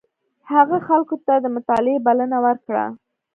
هغه خلکو ته د مطالعې بلنه ورکړه.